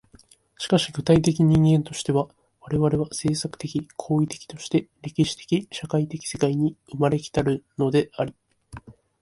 しかし具体的人間としては、我々は制作的・行為的として歴史的・社会的世界に生まれ来たるのであり、